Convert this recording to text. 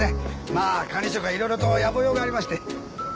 まあ管理職はいろいろとやぼ用がありまして。